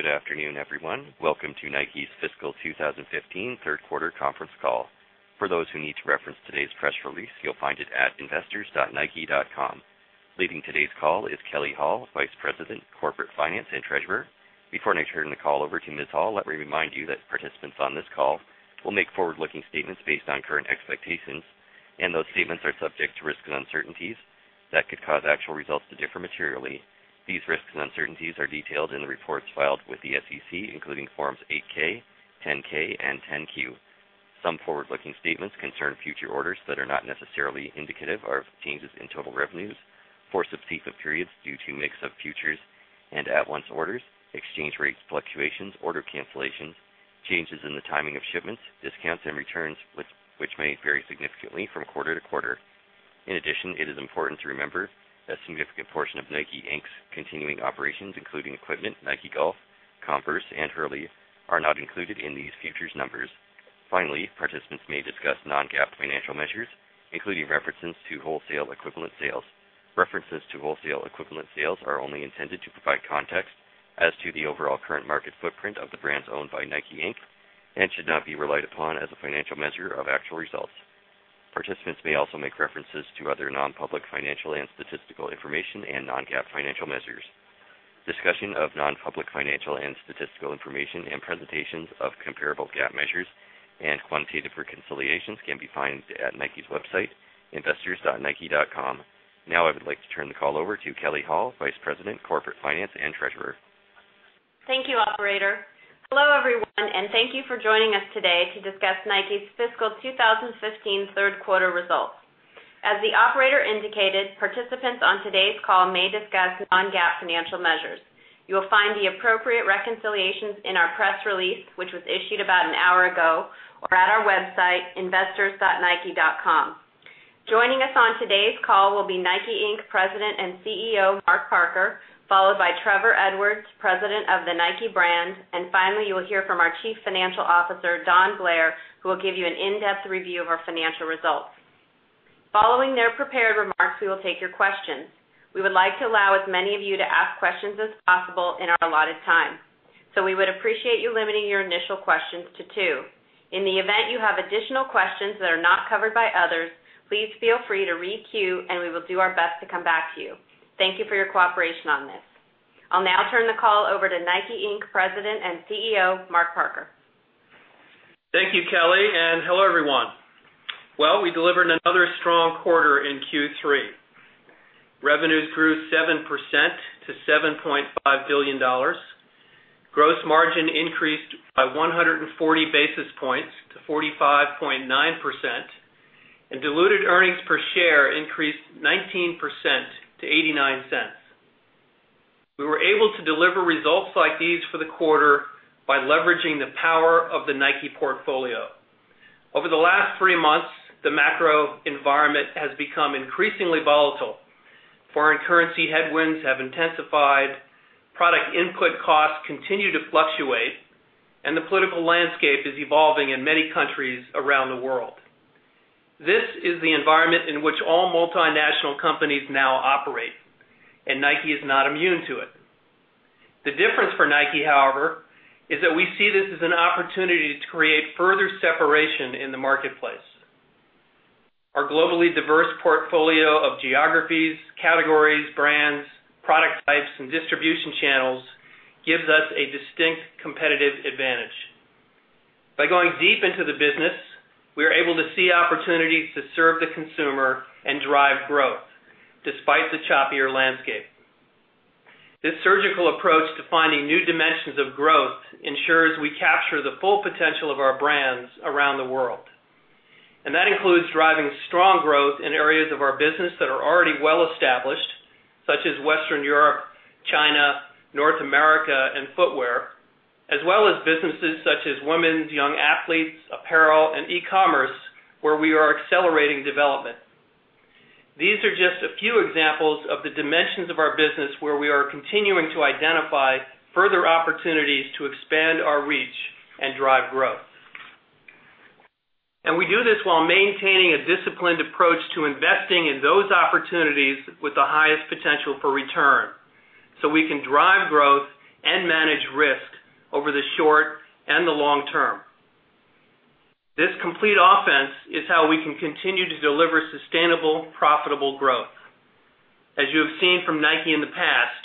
Good afternoon, everyone. Welcome to Nike's fiscal 2015 third quarter conference call. For those who need to reference today's press release, you'll find it at investors.nike.com. Leading today's call is Kelley Hall, Vice President, Corporate Finance and Treasurer. Before I turn the call over to Ms. Hall, let me remind you that participants on this call will make forward-looking statements based on current expectations. Those statements are subject to risks and uncertainties that could cause actual results to differ materially. These risks and uncertainties are detailed in the reports filed with the SEC, including Forms 8-K, 10-K, and 10-Q. Some forward-looking statements concern future orders that are not necessarily indicative of changes in total revenues for successive periods due to mix of futures and at-once orders, exchange rate fluctuations, order cancellations, changes in the timing of shipments, discounts, and returns, which may vary significantly from quarter to quarter. It is important to remember that a significant portion of Nike, Inc.'s continuing operations, including Equipment, Nike Golf, Converse, and Hurley, are not included in these futures numbers. Finally, participants may discuss non-GAAP financial measures, including references to wholesale equivalent sales. References to wholesale equivalent sales are only intended to provide context as to the overall current market footprint of the brands owned by Nike, Inc. and should not be relied upon as a financial measure of actual results. Participants may also make references to other non-public financial and statistical information and non-GAAP financial measures. Discussion of non-public financial and statistical information and presentations of comparable GAAP measures and quantitative reconciliations can be found at Nike's website, investors.nike.com. I would like to turn the call over to Kelley Hall, Vice President, Corporate Finance and Treasurer. Thank you, operator. Hello, everyone, thank you for joining us today to discuss Nike's fiscal 2015 third quarter results. As the operator indicated, participants on today's call may discuss non-GAAP financial measures. You will find the appropriate reconciliations in our press release, which was issued about an hour ago, or at our website, investors.nike.com. Joining us on today's call will be Nike, Inc. President and CEO, Mark Parker, followed by Trevor Edwards, President of the Nike brand. Finally, you will hear from our Chief Financial Officer, Don Blair, who will give you an in-depth review of our financial results. Following their prepared remarks, we will take your questions. We would like to allow as many of you to ask questions as possible in our allotted time. We would appreciate your limiting your initial questions to two. In the event you have additional questions that are not covered by others, please feel free to re-queue, and we will do our best to come back to you. Thank you for your cooperation on this. I'll now turn the call over to Nike, Inc. President and CEO, Mark Parker. Thank you, Kelley, and hello, everyone. Well, we delivered another strong quarter in Q3. Revenues grew 7% to $7.5 billion. Gross margin increased by 140 basis points to 45.9%, and diluted earnings per share increased 19% to $0.89. We were able to deliver results like these for the quarter by leveraging the power of the Nike portfolio. Over the last three months, the macro environment has become increasingly volatile. Foreign currency headwinds have intensified, product input costs continue to fluctuate, and the political landscape is evolving in many countries around the world. This is the environment in which all multinational companies now operate, and Nike is not immune to it. The difference for Nike, however, is that we see this as an opportunity to create further separation in the marketplace. Our globally diverse portfolio of geographies, categories, brands, product types, and distribution channels gives us a distinct competitive advantage. By going deep into the business, we are able to see opportunities to serve the consumer and drive growth despite the choppier landscape. This surgical approach to finding new dimensions of growth ensures we capture the full potential of our brands around the world. That includes driving strong growth in areas of our business that are already well-established, such as Western Europe, China, North America, and footwear, as well as businesses such as women's, young athletes, apparel, and e-commerce, where we are accelerating development. These are just a few examples of the dimensions of our business where we are continuing to identify further opportunities to expand our reach and drive growth. We do this while maintaining a disciplined approach to investing in those opportunities with the highest potential for return, so we can drive growth and manage risk over the short and the long term. This complete offense is how we can continue to deliver sustainable, profitable growth. As you have seen from Nike in the past,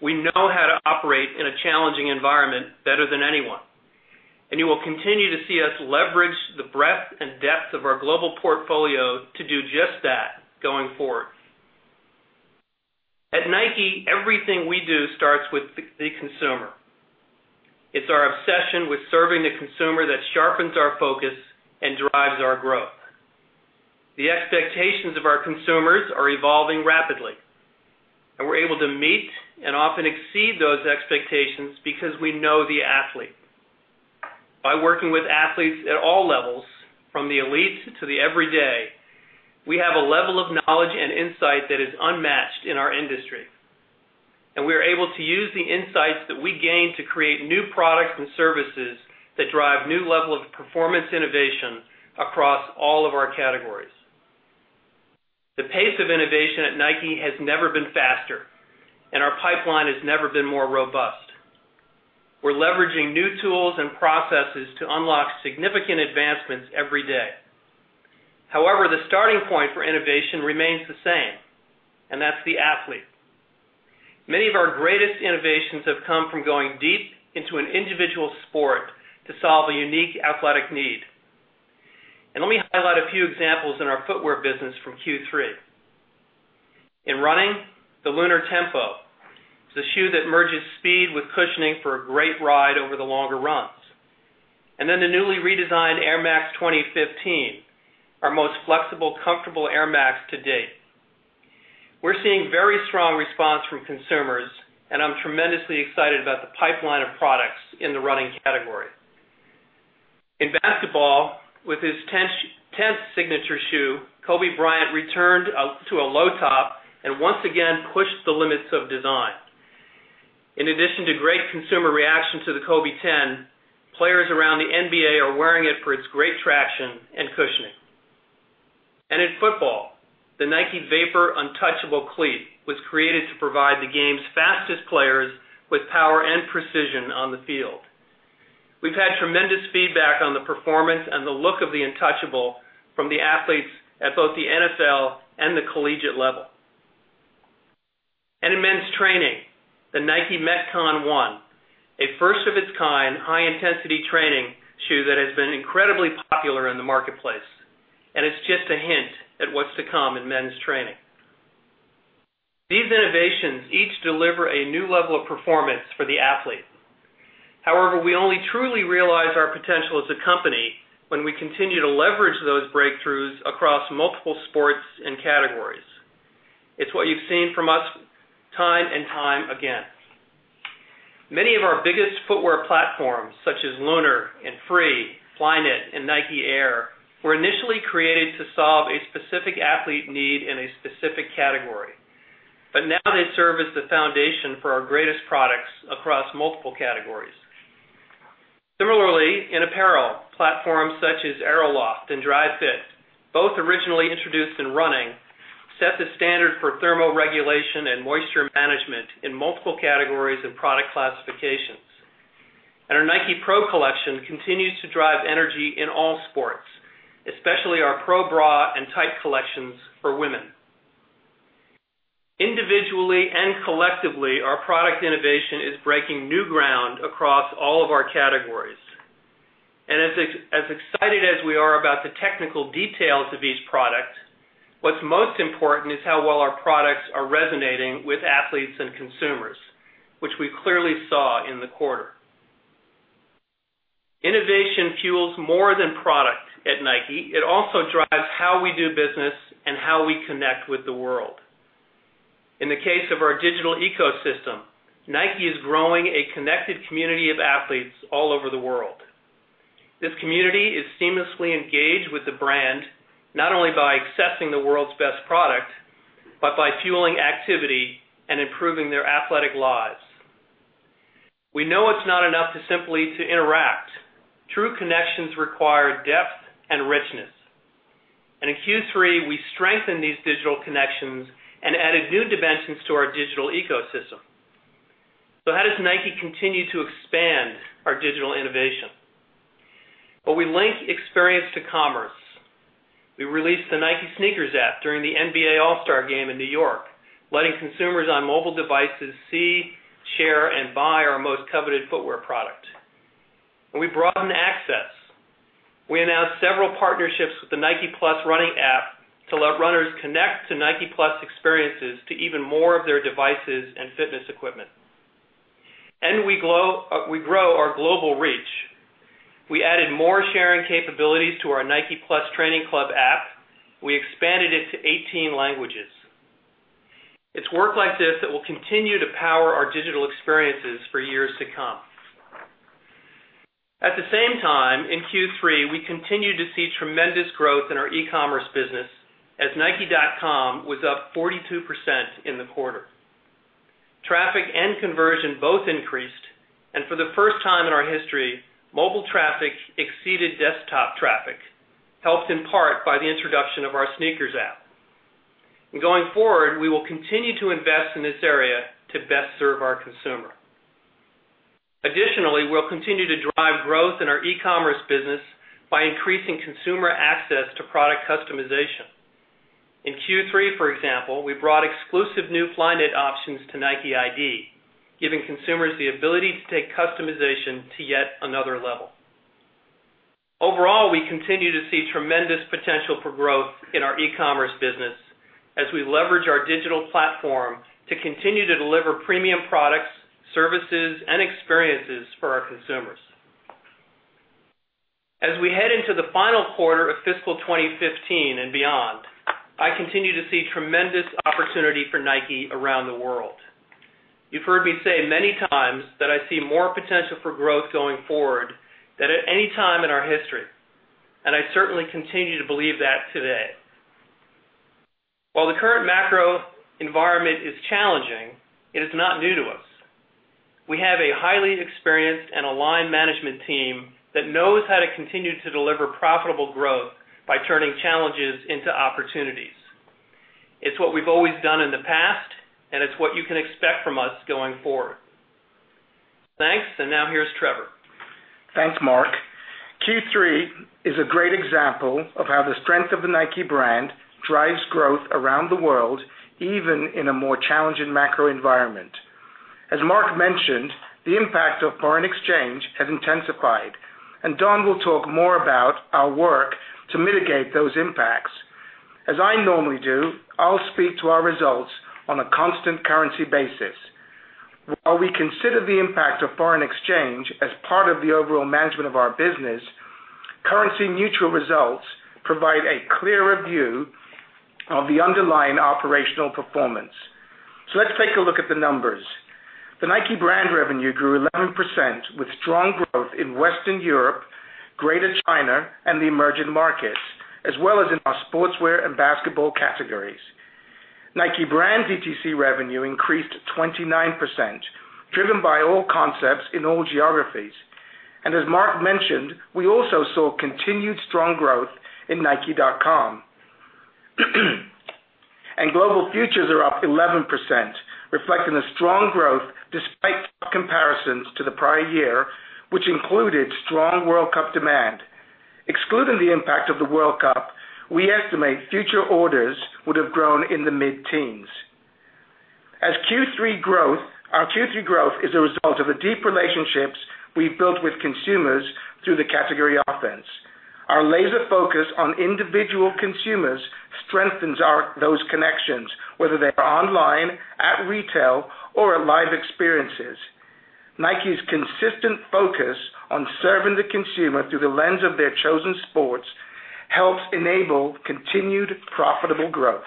we know how to operate in a challenging environment better than anyone, you will continue to see us leverage the breadth and depth of our global portfolio to do just that going forward. At Nike, everything we do starts with the consumer. It's our obsession with serving the consumer that sharpens our focus and drives our growth. The expectations of our consumers are evolving rapidly, and we're able to meet and often exceed those expectations because we know the athlete. By working with athletes at all levels, from the elite to the everyday, we have a level of knowledge and insight that is unmatched in our industry. We are able to use the insights that we gain to create new products and services that drive new level of performance innovation across all of our categories. The pace of innovation at Nike has never been faster, our pipeline has never been more robust. We're leveraging new tools and processes to unlock significant advancements every day. However, the starting point for innovation remains the same, that's the athlete. Many of our greatest innovations have come from going deep into an individual sport to solve a unique athletic need. Let me highlight a few examples in our footwear business from Q3. In running, the Lunar Tempo. It's a shoe that merges speed with cushioning for a great ride over the longer runs. Then the newly redesigned Air Max 2015, our most flexible, comfortable Air Max to date. We're seeing very strong response from consumers. I'm tremendously excited about the pipeline of products in the running category. In basketball, with his 10th signature shoe, Kobe Bryant returned to a low top and once again pushed the limits of design. In addition to great consumer reaction to the Kobe 10, players around the NBA are wearing it for its great traction and cushioning. In football, the Nike Vapor Untouchable cleat was created to provide the game's fastest players with power and precision on the field. We've had tremendous feedback on the performance and the look of the Untouchable from the athletes at both the NFL and the collegiate level. In men's training, the Nike Metcon 1, a first-of-its-kind high-intensity training shoe that has been incredibly popular in the marketplace, and it's just a hint at what's to come in men's training. These innovations each deliver a new level of performance for the athlete. However, we only truly realize our potential as a company when we continue to leverage those breakthroughs across multiple sports and categories. It's what you've seen from us time and time again. Many of our biggest footwear platforms, such as Lunar and Free, Flyknit and Nike Air, were initially created to solve a specific athlete need in a specific category. Now they serve as the foundation for our greatest products across multiple categories. Similarly, in apparel, platforms such as AeroLoft and Dri-FIT, both originally introduced in running, set the standard for thermoregulation and moisture management in multiple categories and product classifications. Our Nike Pro collection continues to drive energy in all sports, especially our Pro Bra and Tight collections for women. Individually and collectively, our product innovation is breaking new ground across all of our categories. As excited as we are about the technical details of each product, what's most important is how well our products are resonating with athletes and consumers, which we clearly saw in the quarter. Innovation fuels more than product at Nike. It also drives how we do business and how we connect with the world. In the case of our digital ecosystem, Nike is growing a connected community of athletes all over the world. This community is seamlessly engaged with the brand, not only by accessing the world's best product, but by fueling activity and improving their athletic lives. We know it's not enough to simply interact. True connections require depth and richness. In Q3, we strengthened these digital connections and added new dimensions to our digital ecosystem. How does Nike continue to expand our digital innovation? Well, we link experience to commerce. We released the Nike SNKRS app during the NBA All-Star Game in New York, letting consumers on mobile devices see, share, and buy our most coveted footwear product. We broaden access. We announced several partnerships with the Nike+ Run Club app to let runners connect to Nike+ experiences to even more of their devices and fitness equipment. We grow our global reach. We added more sharing capabilities to our Nike+ Training Club app. We expanded it to 18 languages. It's work like this that will continue to power our digital experiences for years to come. At the same time, in Q3, we continued to see tremendous growth in our e-commerce business as nike.com was up 42% in the quarter. Traffic and conversion both increased, and for the first time in our history, mobile traffic exceeded desktop traffic, helped in part by the introduction of our SNKRS app. Going forward, we will continue to invest in this area to best serve our consumer. Additionally, we'll continue to drive growth in our e-commerce business by increasing consumer access to product customization. In Q3, for example, we brought exclusive new Flyknit options to NIKEiD, giving consumers the ability to take customization to yet another level. Overall, we continue to see tremendous potential for growth in our e-commerce business as we leverage our digital platform to continue to deliver premium products, services, and experiences for our consumers. As we head into the final quarter of fiscal 2015 and beyond, I continue to see tremendous opportunity for Nike around the world. You've heard me say many times that I see more potential for growth going forward than at any time in our history. I certainly continue to believe that today. While the current macro environment is challenging, it is not new to us. We have a highly experienced and aligned management team that knows how to continue to deliver profitable growth by turning challenges into opportunities. It's what we've always done in the past, and it's what you can expect from us going forward. Thanks. Now here's Trevor. Thanks, Mark. Q3 is a great example of how the strength of the Nike brand drives growth around the world, even in a more challenging macro environment. As Mark mentioned, the impact of foreign exchange has intensified. Don will talk more about our work to mitigate those impacts. As I normally do, I'll speak to our results on a constant currency basis. While we consider the impact of foreign exchange as part of the overall management of our business, currency neutral results provide a clearer view of the underlying operational performance. Let's take a look at the numbers. The Nike brand revenue grew 11% with strong growth in Western Europe, Greater China, and the emerging markets, as well as in our sportswear and basketball categories. Nike brand DTC revenue increased 29%, driven by all concepts in all geographies. As Mark mentioned, we also saw continued strong growth in nike.com. Global futures are up 11%, reflecting the strong growth despite tough comparisons to the prior year, which included strong World Cup demand. Excluding the impact of the World Cup, we estimate future orders would have grown in the mid-teens. Our Q3 growth is a result of the deep relationships we've built with consumers through the category offense. Our laser focus on individual consumers strengthens those connections, whether they're online, at retail, or at live experiences. Nike's consistent focus on serving the consumer through the lens of their chosen sports helps enable continued profitable growth.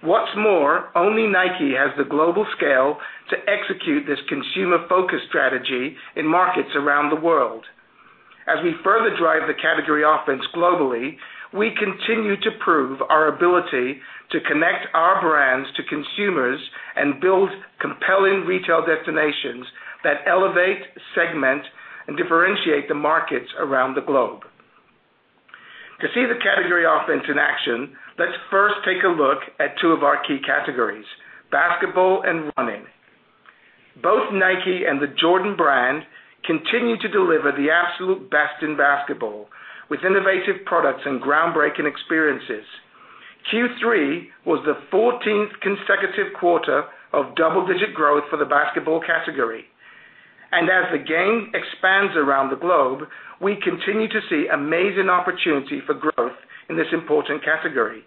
What's more, only Nike has the global scale to execute this consumer-focused strategy in markets around the world. As we further drive the category offense globally, we continue to prove our ability to connect our brands to consumers and build compelling retail destinations that elevate, segment, and differentiate the markets around the globe. To see the category offense in action, let's first take a look at two of our key categories, basketball and running. Both Nike and the Jordan Brand continue to deliver the absolute best in basketball with innovative products and groundbreaking experiences. Q3 was the 14th consecutive quarter of double-digit growth for the basketball category. As the game expands around the globe, we continue to see amazing opportunity for growth in this important category.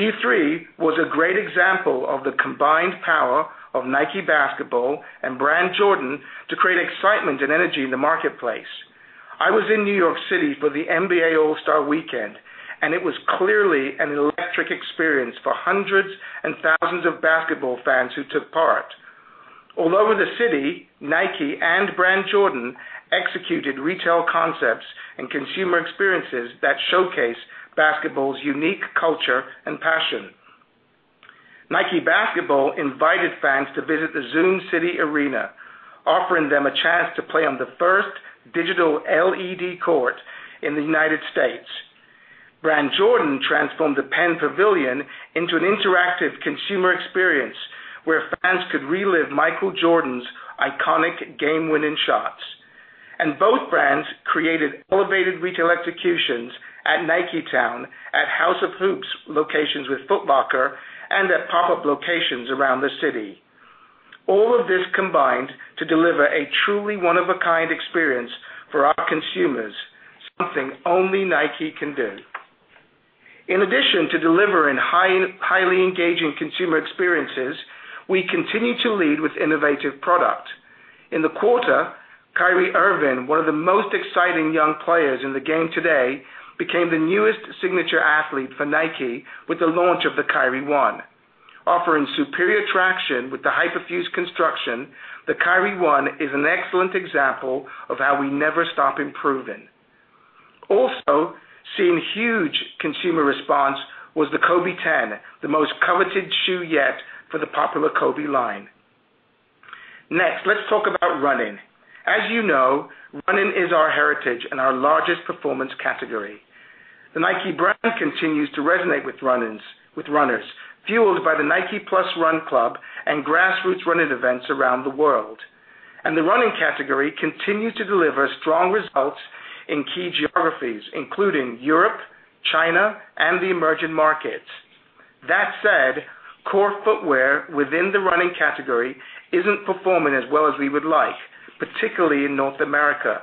Q3 was a great example of the combined power of Nike Basketball and Jordan Brand to create excitement and energy in the marketplace. I was in New York City for the NBA All-Star Weekend, and it was clearly an electric experience for hundreds and thousands of basketball fans who took part. All over the city, Nike and Jordan Brand executed retail concepts and consumer experiences that showcase basketball's unique culture and passion. Nike Basketball invited fans to visit the Zoom City arena, offering them a chance to play on the first digital LED court in the United States. Jordan Brand transformed the Penn Pavilion into an interactive consumer experience where fans could relive Michael Jordan's iconic game-winning shots. Both brands created elevated retail executions at Niketown, at House of Hoops locations with Foot Locker, and at pop-up locations around the city. All of this combined to deliver a truly one-of-a-kind experience for our consumers, something only Nike can do. In addition to delivering highly engaging consumer experiences, we continue to lead with innovative product. In the quarter, Kyrie Irving, one of the most exciting young players in the game today, became the newest signature athlete for Nike with the launch of the Kyrie 1. Offering superior traction with the Hyperfuse construction, the Kyrie 1 is an excellent example of how we never stop improving. Also seeing huge consumer response was the Kobe 10, the most coveted shoe yet for the popular Kobe line. Next, let's talk about running. As you know, running is our heritage and our largest performance category. The Nike brand continues to resonate with runners, fueled by the Nike+ Run Club and grassroots running events around the world. The running category continued to deliver strong results in key geographies, including Europe, China, and the emerging markets. That said, core footwear within the running category isn't performing as well as we would like, particularly in North America.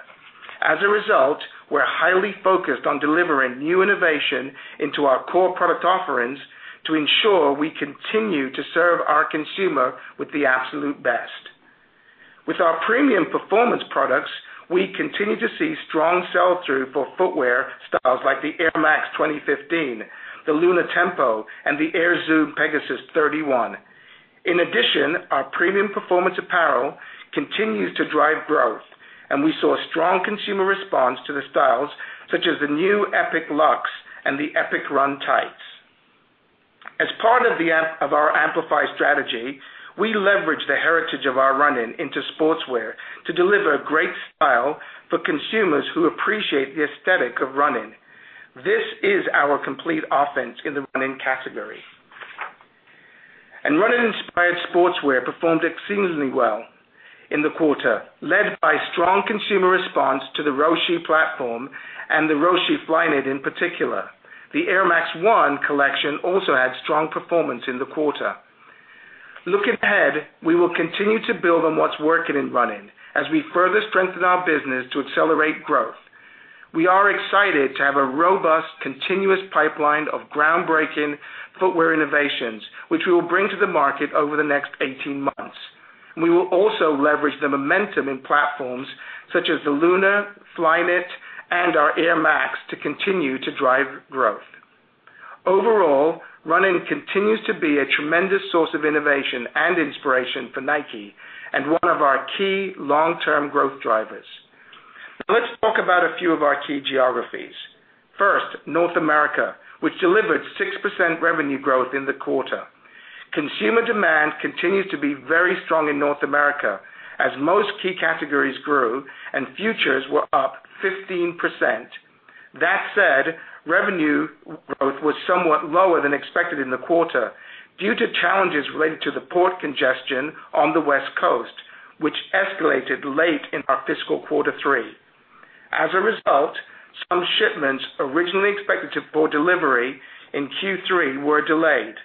As a result, we're highly focused on delivering new innovation into our core product offerings to ensure we continue to serve our consumer with the absolute best. With our premium performance products, we continue to see strong sell-through for footwear styles like the Air Max 2015, the Lunar Tempo, and the Air Zoom Pegasus 31. In addition, our premium performance apparel continues to drive growth, and we saw strong consumer response to the styles such as the new Epic Lux and the Epic Run Tights. As part of our Amplify strategy, we leverage the heritage of our Running into sportswear to deliver great style for consumers who appreciate the aesthetic of Running. This is our complete offense in the Running category. Running-inspired sportswear performed exceedingly well in the quarter, led by strong consumer response to the Roshe platform and the Roshe Flyknit in particular. The Air Max 1 collection also had strong performance in the quarter. Looking ahead, we will continue to build on what's working in Running as we further strengthen our business to accelerate growth. We are excited to have a robust, continuous pipeline of groundbreaking footwear innovations, which we will bring to the market over the next 18 months. We will also leverage the momentum in platforms such as the Lunar, Flyknit, and our Air Max to continue to drive growth. Overall, Running continues to be a tremendous source of innovation and inspiration for Nike and one of our key long-term growth drivers. Now let's talk about a few of our key geographies. First, North America, which delivered 6% revenue growth in the quarter. Consumer demand continued to be very strong in North America as most key categories grew and futures were up 15%. That said, revenue growth was somewhat lower than expected in the quarter due to challenges related to the port congestion on the West Coast, which escalated late in our fiscal quarter three. As a result, some shipments originally expected for delivery in Q3 were delayed.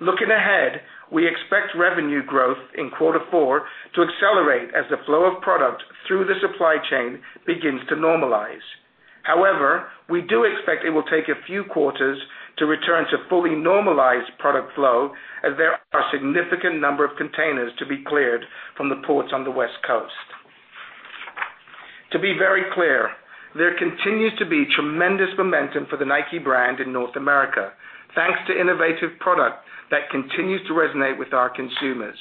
Looking ahead, we expect revenue growth in quarter four to accelerate as the flow of product through the supply chain begins to normalize. However, we do expect it will take a few quarters to return to fully normalized product flow as there are a significant number of containers to be cleared from the ports on the West Coast. To be very clear, there continues to be tremendous momentum for the Nike brand in North America, thanks to innovative product that continues to resonate with our consumers.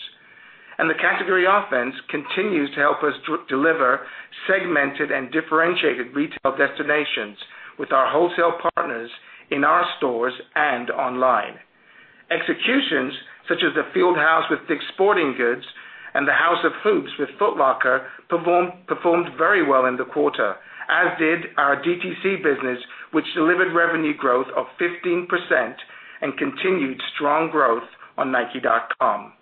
The category offense continues to help us deliver segmented and differentiated retail destinations with our wholesale partners in our stores and online. Executions such as the Nike Fieldhouse with Dick's Sporting Goods and the House of Hoops with Foot Locker performed very well in the quarter, as did our DTC business, which delivered revenue growth of 15% and continued strong growth on nike.com.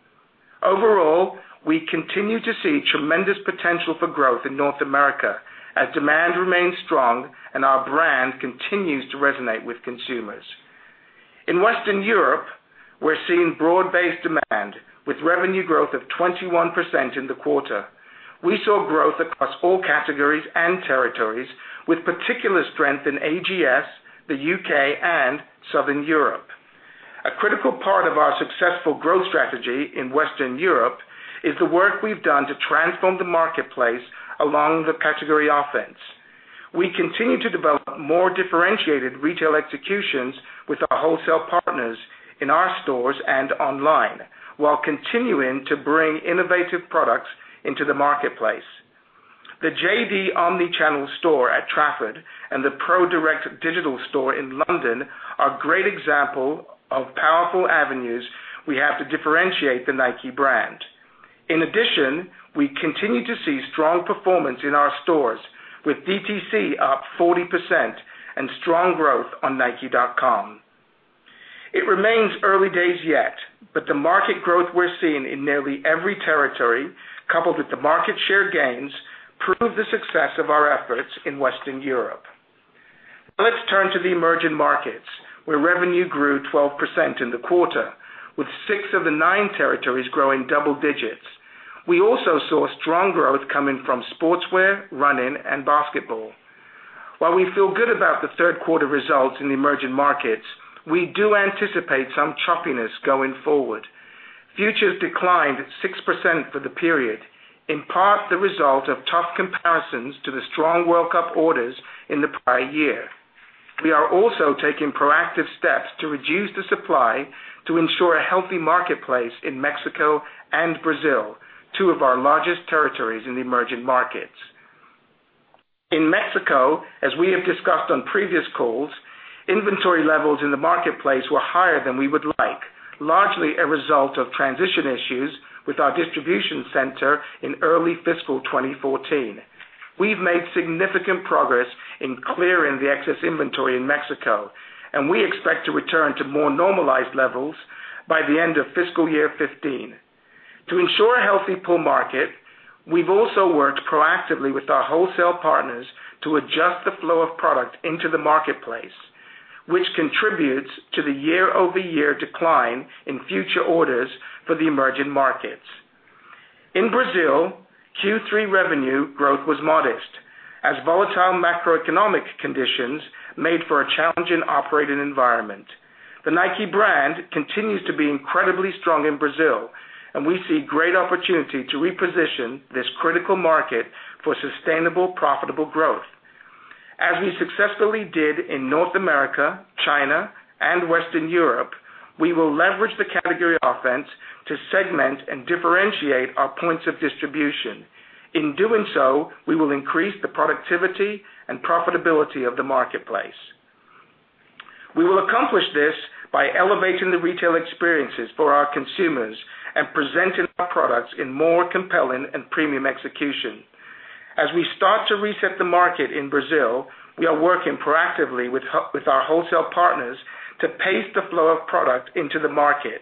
Overall, we continue to see tremendous potential for growth in North America as demand remains strong and our brand continues to resonate with consumers. In Western Europe, we're seeing broad-based demand with revenue growth of 21% in the quarter. We saw growth across all categories and territories with particular strength in AGS, the U.K., and Southern Europe. A critical part of our successful growth strategy in Western Europe is the work we've done to transform the marketplace along the category offense. We continue to develop more differentiated retail executions with our wholesale partners in our stores and online while continuing to bring innovative products into the marketplace. The JD omnichannel store at Trafford and the Pro:Direct Digital store in London are great example of powerful avenues we have to differentiate the Nike brand. In addition, we continue to see strong performance in our stores, with DTC up 40% and strong growth on nike.com. It remains early days yet, but the market growth we're seeing in nearly every territory, coupled with the market share gains, prove the success of our efforts in Western Europe. Now let's turn to the emerging markets, where revenue grew 12% in the quarter, with six of the nine territories growing double digits. We also saw strong growth coming from Sportswear, Running, and Basketball. While we feel good about the third quarter results in the emerging markets, we do anticipate some choppiness going forward. Futures declined 6% for the period, in part the result of tough comparisons to the strong World Cup orders in the prior year. We are also taking proactive steps to reduce the supply to ensure a healthy marketplace in Mexico and Brazil, two of our largest territories in the emerging markets. In Mexico, as we have discussed on previous calls, inventory levels in the marketplace were higher than we would like, largely a result of transition issues with our distribution center in early fiscal 2014. We've made significant progress in clearing the excess inventory in Mexico, and we expect to return to more normalized levels by the end of fiscal year 2015. To ensure a healthy pull market, we've also worked proactively with our wholesale partners to adjust the flow of product into the marketplace, which contributes to the year-over-year decline in future orders for the emerging markets. In Brazil, Q3 revenue growth was modest as volatile macroeconomic conditions made for a challenging operating environment. The Nike brand continues to be incredibly strong in Brazil, and we see great opportunity to reposition this critical market for sustainable, profitable growth. As we successfully did in North America, China, and Western Europe, we will leverage the Category Offense to segment and differentiate our points of distribution. In doing so, we will increase the productivity and profitability of the marketplace. We will accomplish this by elevating the retail experiences for our consumers and presenting our products in more compelling and premium execution. As we start to reset the market in Brazil, we are working proactively with our wholesale partners to pace the flow of product into the market.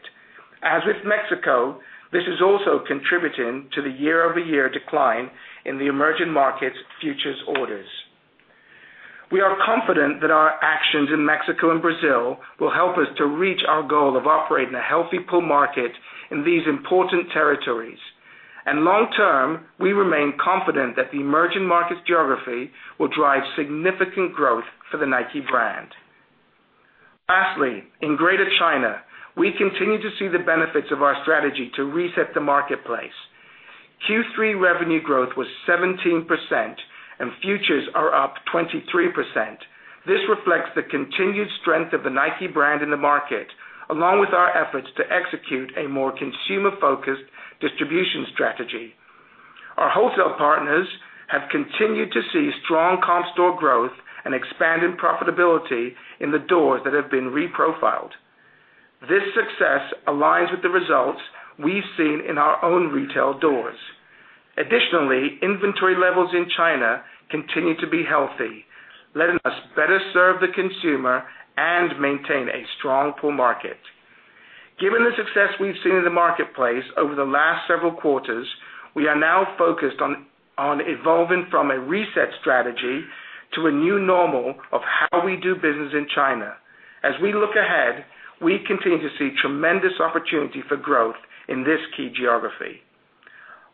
As with Mexico, this is also contributing to the year-over-year decline in the emerging markets futures orders. We are confident that our actions in Mexico and Brazil will help us to reach our goal of operating a healthy pull market in these important territories. Long term, we remain confident that the emerging markets geography will drive significant growth for the Nike brand. Lastly, in Greater China, we continue to see the benefits of our strategy to reset the marketplace. Q3 revenue growth was 17%, and futures are up 23%. This reflects the continued strength of the Nike brand in the market, along with our efforts to execute a more consumer-focused distribution strategy. Our wholesale partners have continued to see strong comp store growth and expanded profitability in the doors that have been reprofiled. This success aligns with the results we've seen in our own retail doors. Additionally, inventory levels in China continue to be healthy, letting us better serve the consumer and maintain a strong pull market. Given the success we've seen in the marketplace over the last several quarters, we are now focused on evolving from a reset strategy to a new normal of how we do business in China. As we look ahead, we continue to see tremendous opportunity for growth in this key geography.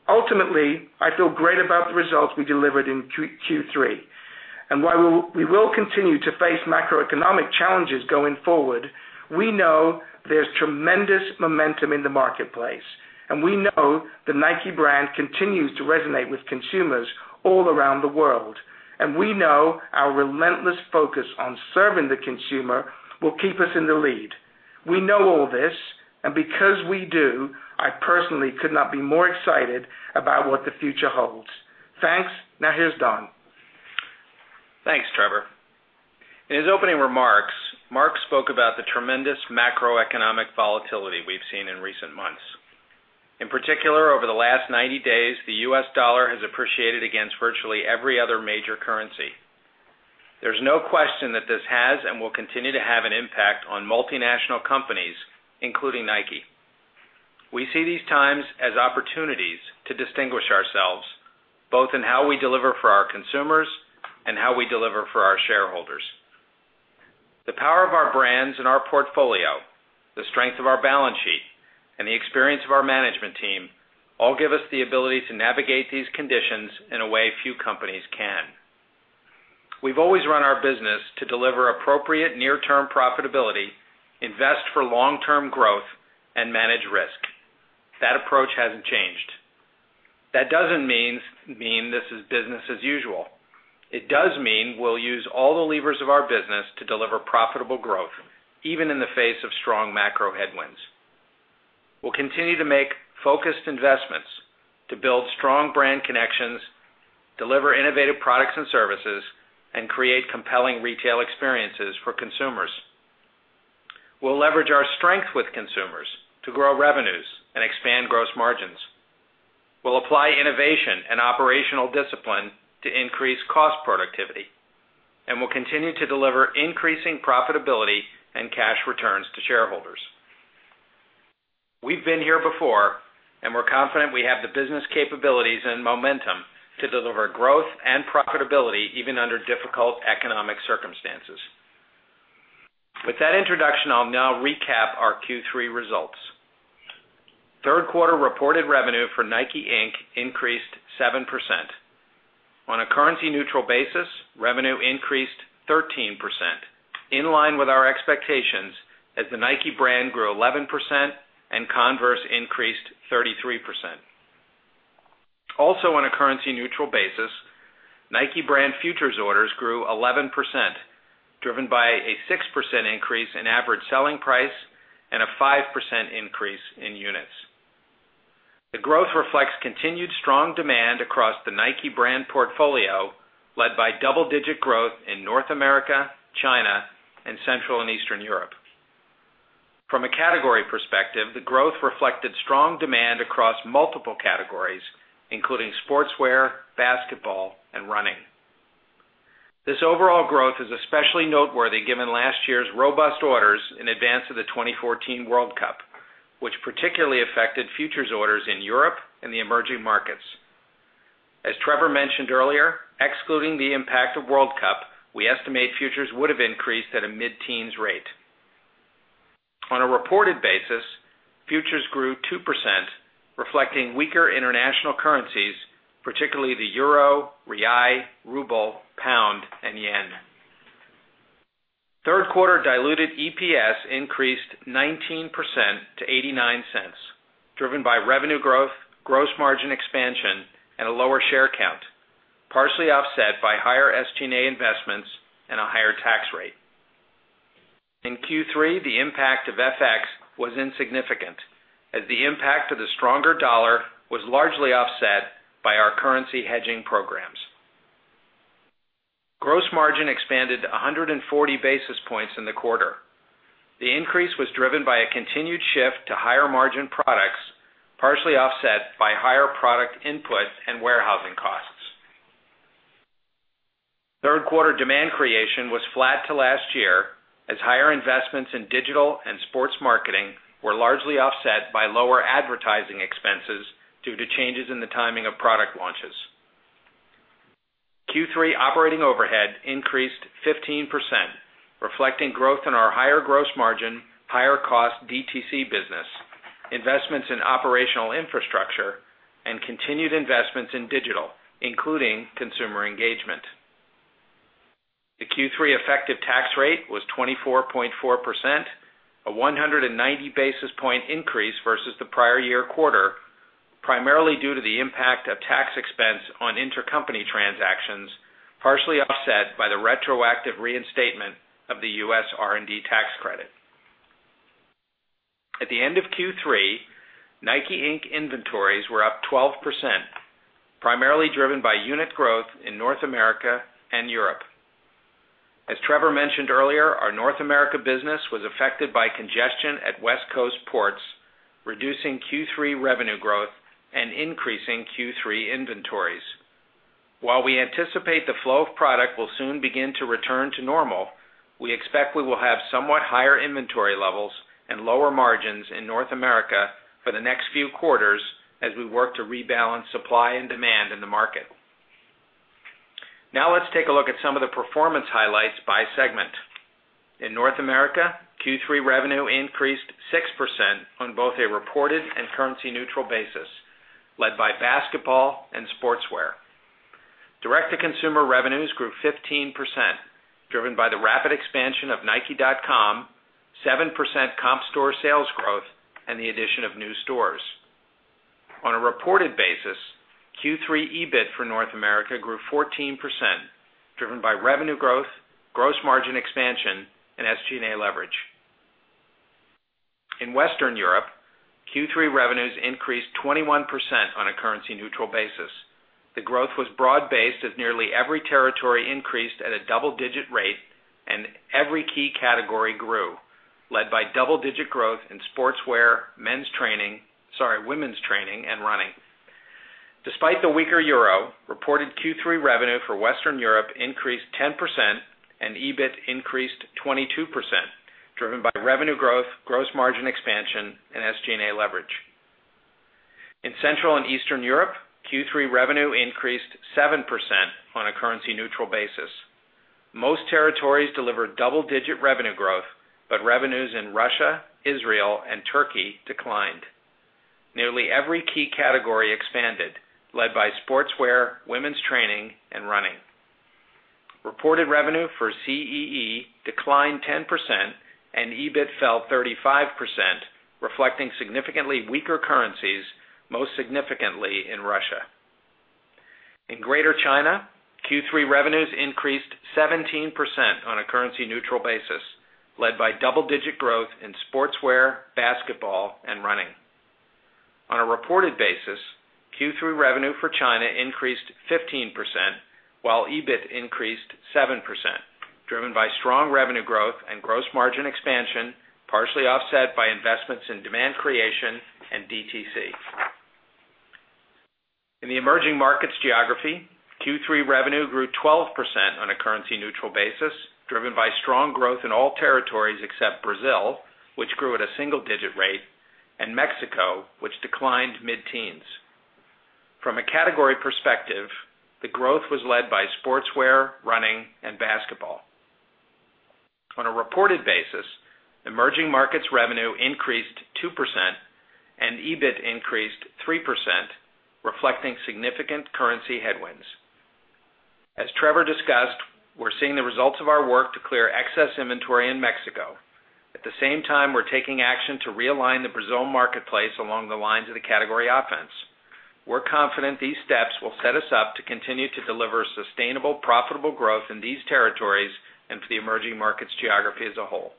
Ultimately, I feel great about the results we delivered in Q3. While we will continue to face macroeconomic challenges going forward, we know there's tremendous momentum in the marketplace. We know the Nike brand continues to resonate with consumers all around the world. We know our relentless focus on serving the consumer will keep us in the lead. We know all this, and because we do, I personally could not be more excited about what the future holds. Thanks. Now here's Don. Thanks, Trevor. In his opening remarks, Mark spoke about the tremendous macroeconomic volatility we've seen in recent months. In particular, over the last 90 days, the US dollar has appreciated against virtually every other major currency. There's no question that this has and will continue to have an impact on multinational companies, including Nike. We see these times as opportunities to distinguish ourselves, both in how we deliver for our consumers and how we deliver for our shareholders. The power of our brands and our portfolio, the strength of our balance sheet, and the experience of our management team all give us the ability to navigate these conditions in a way few companies can. We've always run our business to deliver appropriate near-term profitability, invest for long-term growth, and manage risk. That approach hasn't changed. That doesn't mean this is business as usual. It does mean we'll use all the levers of our business to deliver profitable growth, even in the face of strong macro headwinds. We'll continue to make focused investments to build strong brand connections, deliver innovative products and services, and create compelling retail experiences for consumers. We'll leverage our strength with consumers to grow revenues and expand gross margins. We'll apply innovation and operational discipline to increase cost productivity. We'll continue to deliver increasing profitability and cash returns to shareholders. We've been here before, and we're confident we have the business capabilities and momentum to deliver growth and profitability, even under difficult economic circumstances. With that introduction, I'll now recap our Q3 results. Third quarter reported revenue for Nike, Inc. increased 7%. On a currency-neutral basis, revenue increased 13%, in line with our expectations as the Nike brand grew 11% and Converse increased 33%. Also, on a currency-neutral basis, Nike brand futures orders grew 11%, driven by a 6% increase in average selling price and a 5% increase in units. The growth reflects continued strong demand across the Nike brand portfolio, led by double-digit growth in North America, China, and Central and Eastern Europe. From a category perspective, the growth reflected strong demand across multiple categories, including sportswear, basketball, and running. This overall growth is especially noteworthy given last year's robust orders in advance of the 2014 World Cup, which particularly affected futures orders in Europe and the emerging markets. As Trevor mentioned earlier, excluding the impact of World Cup, we estimate futures would have increased at a mid-teens rate. On a reported basis, futures grew 2%, reflecting weaker international currencies, particularly the EUR, BRL, RUB, GBP, and JPY. Third quarter diluted EPS increased 19% to $0.89, driven by revenue growth, gross margin expansion, and a lower share count, partially offset by higher SG&A investments and a higher tax rate. In Q3, the impact of FX was insignificant as the impact of the stronger dollar was largely offset by our currency hedging programs. Gross margin expanded 140 basis points in the quarter. The increase was driven by a continued shift to higher margin products, partially offset by higher product input and warehousing costs. Third quarter demand creation was flat to last year as higher investments in digital and sports marketing were largely offset by lower advertising expenses due to changes in the timing of product launches. Q3 operating overhead increased 15%, reflecting growth in our higher gross margin, higher cost DTC business, investments in operational infrastructure, and continued investments in digital, including consumer engagement. The Q3 effective tax rate was 24.4%, a 190 basis point increase versus the prior year quarter, primarily due to the impact of tax expense on intercompany transactions, partially offset by the retroactive reinstatement of the U.S. R&D tax credit. At the end of Q3, Nike, Inc. inventories were up 12%, primarily driven by unit growth in North America and Europe. As Trevor mentioned earlier, our North America business was affected by congestion at West Coast ports, reducing Q3 revenue growth and increasing Q3 inventories. While we anticipate the flow of product will soon begin to return to normal, we expect we will have somewhat higher inventory levels and lower margins in North America for the next few quarters as we work to rebalance supply and demand in the market. Let's take a look at some of the performance highlights by segment. In North America, Q3 revenue increased 6% on both a reported and currency-neutral basis, led by basketball and sportswear. Direct-to-consumer revenues grew 15%, driven by the rapid expansion of nike.com, 7% comp store sales growth, and the addition of new stores. On a reported basis, Q3 EBIT for North America grew 14%, driven by revenue growth, gross margin expansion, and SG&A leverage. In Western Europe, Q3 revenues increased 21% on a currency-neutral basis. The growth was broad-based as nearly every territory increased at a double-digit rate and every key category grew, led by double-digit growth in sportswear, men's training, sorry, women's training and running. Despite the weaker euro, reported Q3 revenue for Western Europe increased 10% and EBIT increased 22%, driven by revenue growth, gross margin expansion and SG&A leverage. In Central and Eastern Europe, Q3 revenue increased 7% on a currency-neutral basis. Most territories delivered double-digit revenue growth, revenues in Russia, Israel, and Turkey declined. Nearly every key category expanded, led by sportswear, women's training, and running. Reported revenue for CEE declined 10% and EBIT fell 35%, reflecting significantly weaker currencies, most significantly in Russia. In Greater China, Q3 revenues increased 17% on a currency-neutral basis, led by double-digit growth in sportswear, basketball, and running. On a reported basis, Q3 revenue for China increased 15%, while EBIT increased 7%, driven by strong revenue growth and gross margin expansion, partially offset by investments in demand creation and DTC. In the emerging markets geography, Q3 revenue grew 12% on a currency-neutral basis, driven by strong growth in all territories except Brazil, which grew at a single-digit rate, and Mexico, which declined mid-teens. From a category perspective, the growth was led by sportswear, running, and basketball. On a reported basis, emerging markets revenue increased 2% and EBIT increased 3%, reflecting significant currency headwinds. As Trevor discussed, we're seeing the results of our work to clear excess inventory in Mexico. At the same time, we're taking action to realign the Brazil marketplace along the lines of the category offense. We're confident these steps will set us up to continue to deliver sustainable, profitable growth in these territories and for the emerging markets geography as a whole.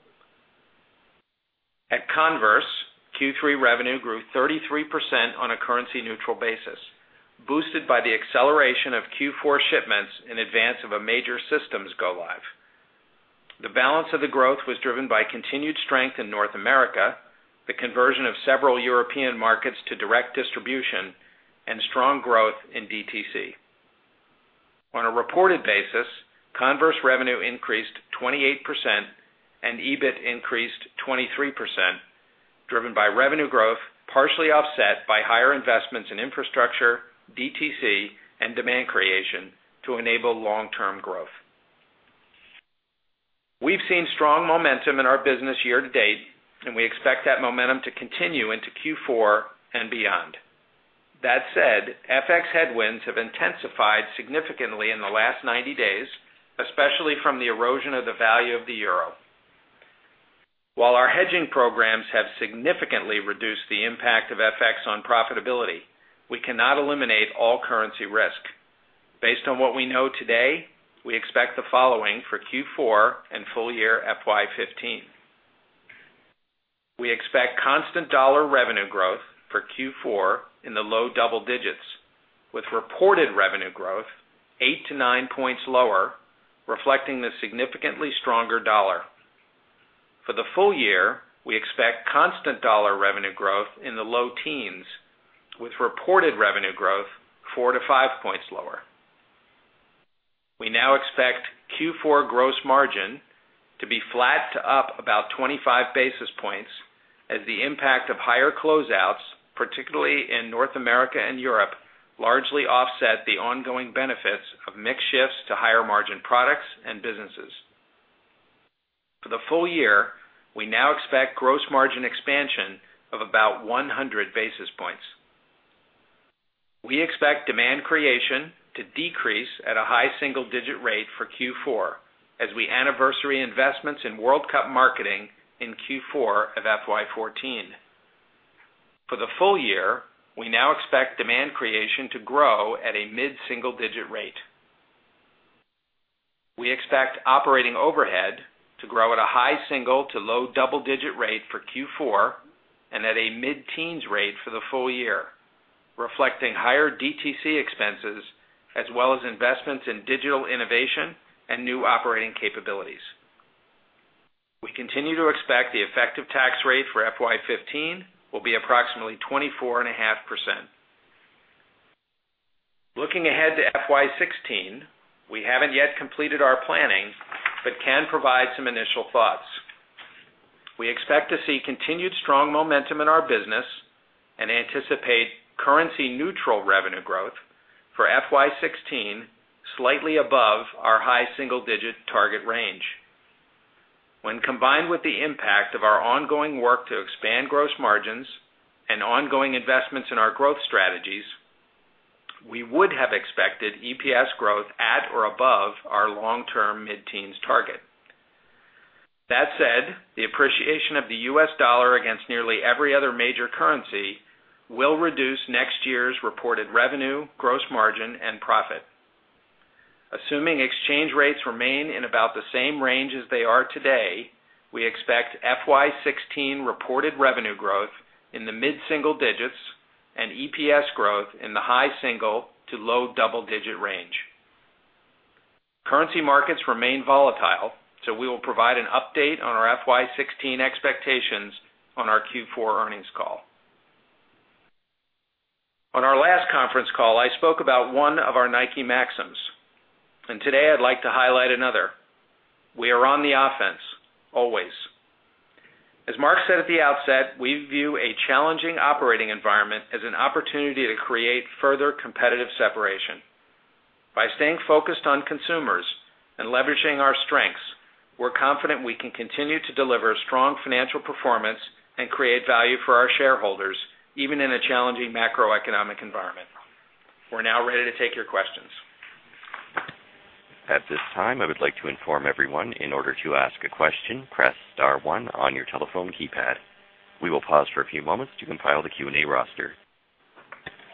At Converse, Q3 revenue grew 33% on a currency-neutral basis, boosted by the acceleration of Q4 shipments in advance of a major systems go live. The balance of the growth was driven by continued strength in North America, the conversion of several European markets to direct distribution, and strong growth in DTC. On a reported basis, Converse revenue increased 28% and EBIT increased 23%, driven by revenue growth, partially offset by higher investments in infrastructure, DTC, and demand creation to enable long-term growth. We've seen strong momentum in our business year to date, and we expect that momentum to continue into Q4 and beyond. That said, FX headwinds have intensified significantly in the last 90 days, especially from the erosion of the value of the EUR. While our hedging programs have significantly reduced the impact of FX on profitability, we cannot eliminate all currency risk. Based on what we know today, we expect the following for Q4 and full year FY 2015. We expect constant dollar revenue growth for Q4 in the low double digits, with reported revenue growth eight to nine points lower, reflecting the significantly stronger dollar. For the full year, we expect constant dollar revenue growth in the low teens, with reported revenue growth four to five points lower. We now expect Q4 gross margin to be flat to up about 25 basis points as the impact of higher closeouts, particularly in North America and Europe, largely offset the ongoing benefits of mix shifts to higher margin products and businesses. For the full year, we now expect gross margin expansion of about 100 basis points. We expect demand creation to decrease at a high single-digit rate for Q4 as we anniversary investments in World Cup marketing in Q4 of FY 2014. For the full year, we now expect demand creation to grow at a mid-single digit rate. We expect operating overhead to grow at a high single to low double-digit rate for Q4 and at a mid-teens rate for the full year, reflecting higher DTC expenses, as well as investments in digital innovation and new operating capabilities. We continue to expect the effective tax rate for FY 2015 will be approximately 24.5%. Looking ahead to FY 2016, we haven't yet completed our planning but can provide some initial thoughts. We expect to see continued strong momentum in our business and anticipate currency-neutral revenue growth for FY 2016, slightly above our high single-digit target range. When combined with the impact of our ongoing work to expand gross margins and ongoing investments in our growth strategies, we would have expected EPS growth at or above our long-term mid-teens target. That said, the appreciation of the US dollar against nearly every other major currency will reduce next year's reported revenue, gross margin, and profit. Assuming exchange rates remain in about the same range as they are today, we expect FY 2016 reported revenue growth in the mid-single digits and EPS growth in the high single to low double-digit range. Currency markets remain volatile, so we will provide an update on our FY 2016 expectations on our Q4 earnings call. On our last conference call, I spoke about one of our Nike maxims. Today I'd like to highlight another. We are on the offense, always. As Mark said at the outset, we view a challenging operating environment as an opportunity to create further competitive separation. By staying focused on consumers and leveraging our strengths, we're confident we can continue to deliver strong financial performance and create value for our shareholders, even in a challenging macroeconomic environment. We're now ready to take your questions. At this time, I would like to inform everyone in order to ask a question, press star one on your telephone keypad. We will pause for a few moments to compile the Q&A roster.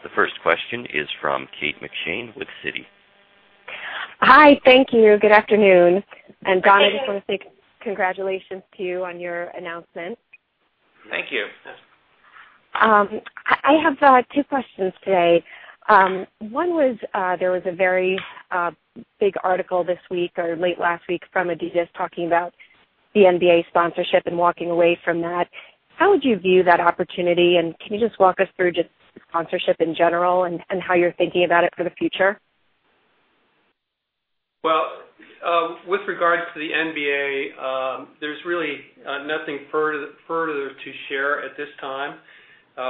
The first question is from Kate McShane with Citi. Hi. Thank you. Good afternoon. Don, I just want to say congratulations to you on your announcement. Thank you. I have two questions today. One was, there was a very big article this week or late last week from Adidas talking about the NBA sponsorship and walking away from that. How would you view that opportunity, and can you just walk us through just sponsorship in general and how you're thinking about it for the future? Well, with regards to the NBA, there's really nothing further to share at this time.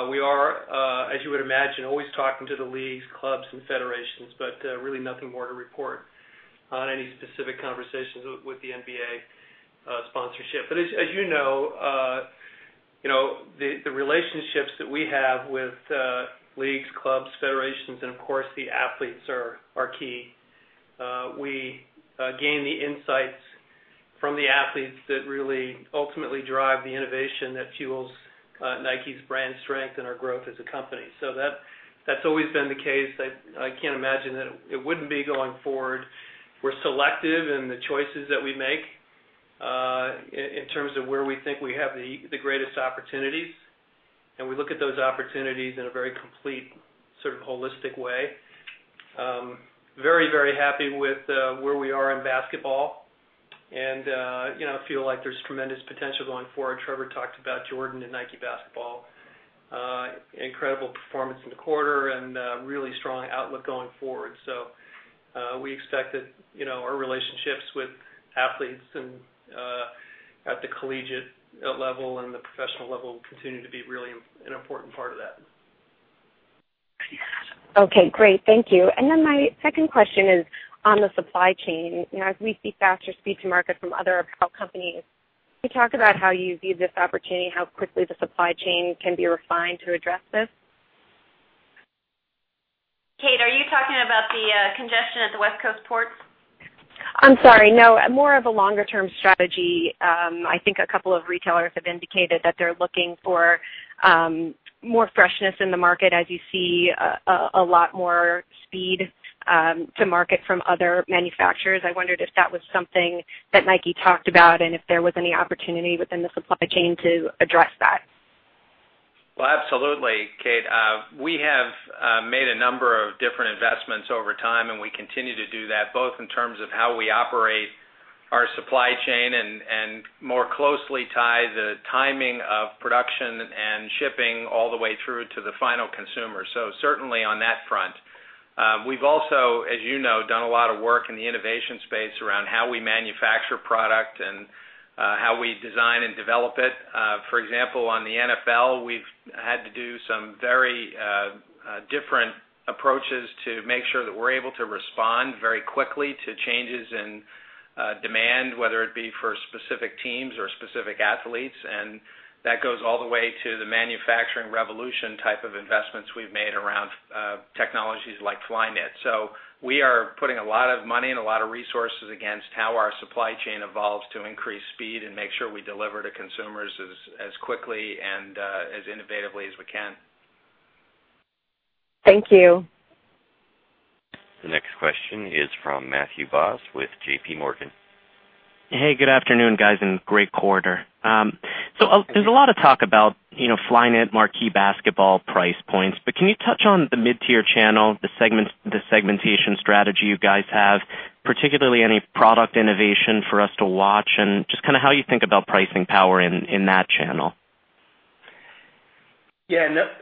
We are, as you would imagine, always talking to the leagues, clubs and federations, but really nothing more to report on any specific conversations with the NBA sponsorship. As you know, the relationships that we have with leagues, clubs, federations, and of course, the athletes are key. We gain the insights from the athletes that really ultimately drive the innovation that fuels Nike's brand strength and our growth as a company. That's always been the case. I can't imagine that it wouldn't be going forward. We're selective in the choices that we make, in terms of where we think we have the greatest opportunities. We look at those opportunities in a very complete, holistic way. Very, very happy with where we are in basketball and feel like there's tremendous potential going forward. Trevor talked about Jordan and Nike basketball. Incredible performance in the quarter and a really strong outlook going forward. We expect that our relationships with athletes and at the collegiate level and the professional level will continue to be really an important part of that. Okay, great. Thank you. My second question is on the supply chain. As we see faster speed to market from other apparel companies, can you talk about how you view this opportunity and how quickly the supply chain can be refined to address this? Kate, are you talking about the congestion at the West Coast ports? I'm sorry. No. More of a longer-term strategy. I think a couple of retailers have indicated that they're looking for more freshness in the market as you see a lot more speed to market from other manufacturers. I wondered if that was something that Nike talked about, and if there was any opportunity within the supply chain to address that. Well, absolutely, Kate. We have made a number of different investments over time, and we continue to do that, both in terms of how we operate our supply chain and more closely tie the timing of production and shipping all the way through to the final consumer. Certainly on that front. We've also, as you know, done a lot of work in the innovation space around how we manufacture product and how we design and develop it. For example, on the NFL, we've had to do some very different approaches to make sure that we're able to respond very quickly to changes in demand, whether it be for specific teams or specific athletes. That goes all the way to the manufacturing revolution type of investments we've made around technologies like Flyknit. We are putting a lot of money and a lot of resources against how our supply chain evolves to increase speed and make sure we deliver to consumers as quickly and as innovatively as we can. Thank you. The next question is from Matthew Boss with JPMorgan. Hey, good afternoon, guys, and great quarter. There's a lot of talk about Flyknit, marquee basketball price points. Can you touch on the mid-tier channel, the segmentation strategy you guys have, particularly any product innovation for us to watch and just how you think about pricing power in that channel?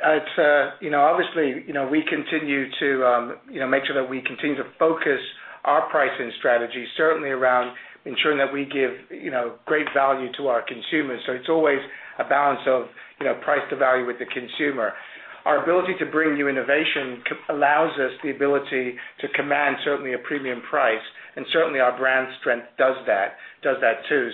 Obviously, we continue to make sure that we continue to focus our pricing strategy, certainly around ensuring that we give great value to our consumers. It's always a balance of price to value with the consumer. Our ability to bring new innovation allows us the ability to command certainly a premium price, and certainly our brand strength does that, too.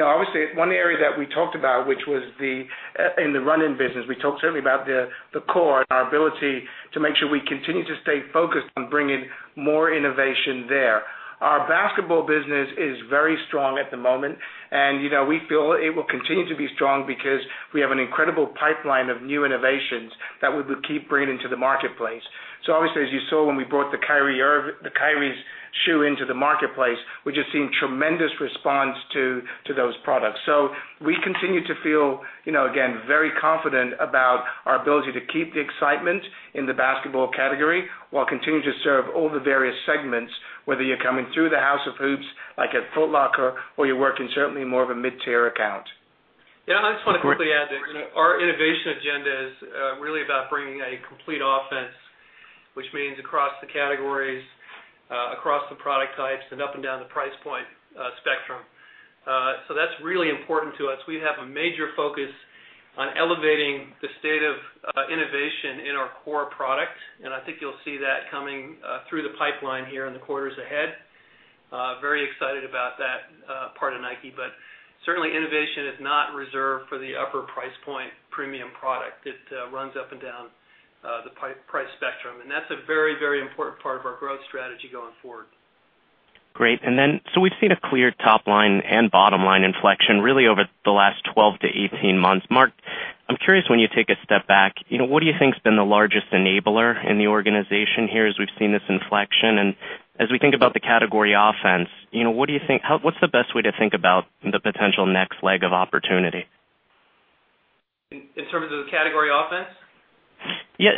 Obviously, one area that we talked about, which was in the running business, we talked certainly about the core and our ability to make sure we continue to stay focused on bringing more innovation there. Our basketball business is very strong at the moment, and we feel it will continue to be strong because we have an incredible pipeline of new innovations that we will keep bringing to the marketplace. Obviously, as you saw when we brought the Kyrie's shoe into the marketplace, we're just seeing tremendous response to those products. We continue to feel, again, very confident about our ability to keep the excitement in the basketball category while continuing to serve all the various segments, whether you're coming through the House of Hoops, like at Foot Locker, or you work in certainly more of a mid-tier account. I just want to quickly add that our innovation agenda is really about bringing a complete offense, which means across the categories, across the product types, and up and down the price point spectrum. That's really important to us. We have a major focus on elevating the state of innovation in our core product, and I think you'll see that coming through the pipeline here in the quarters ahead. Very excited about that part of Nike. Certainly, innovation is not reserved for the upper price point premium product. It runs up and down the price spectrum. That's a very, very important part of our growth strategy going forward. Great. We've seen a clear top line and bottom line inflection really over the last 12-18 months. Mark, I'm curious when you take a step back, what do you think has been the largest enabler in the organization here as we've seen this inflection? As we think about the category offense, what's the best way to think about the potential next leg of opportunity? In terms of the category offense? Yeah.